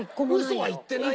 ウソは言ってない。